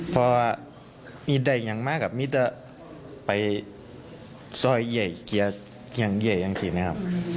เพราะว่ามีใดอย่างมากกับมีแต่ไปส่อยใหญ่เกียรติอย่างเกียรติอย่างสินะครับ